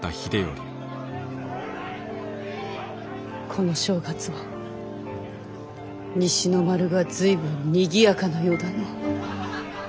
・この正月は西の丸が随分にぎやかなようだのう。